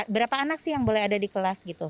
berapa anak sih yang boleh ada di kelas gitu